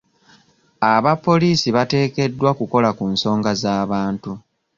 Abapoliisi bateekeddwa kukola ku nsonga z'abantu.